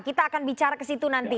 kita akan bicara ke situ nanti